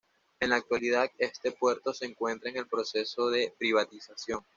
En la actualidad este puerto se encuentra en el proceso de privatización.